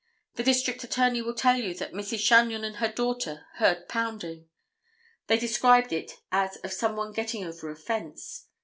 The District Attorney will tell you that Mrs. Chagnon and her daughter heard pounding. They described it as of some one getting over a fence.